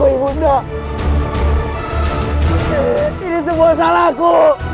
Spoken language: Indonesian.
ini semua salahku